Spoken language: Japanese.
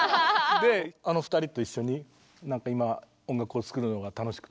あの２人と一緒になんか今音楽を作るのが楽しくて。